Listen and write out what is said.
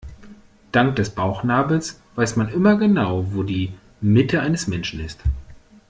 Dank des Bauchnabels weiß man immer genau, wo die Mitte eines Menschen ist.